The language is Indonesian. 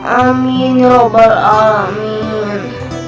amin ya allah amin